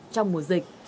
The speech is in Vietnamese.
trong mùa dịch